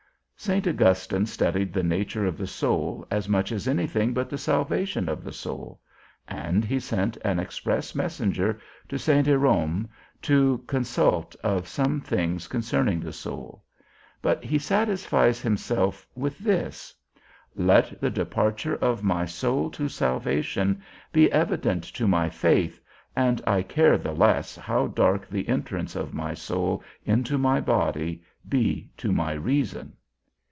St. Augustine studied the nature of the soul as much as any thing, but the salvation of the soul; and he sent an express messenger to St. Hierome, to consult of some things concerning the soul; but he satisfies himself with this: "Let the departure of my soul to salvation be evident to my faith, and I care the less how dark the entrance of my soul into my body be to my reason."